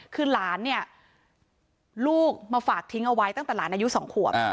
คือหลานเนี่ยลูกมาฝากทิ้งเอาไว้ตั้งแต่หลานอายุ๒ขวบ